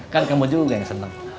kan kamu juga yang senang